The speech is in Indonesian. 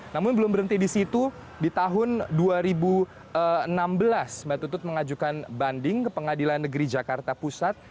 namun belum berhenti di situ di tahun dua ribu enam belas mbak tutut mengajukan banding ke pengadilan negeri jakarta pusat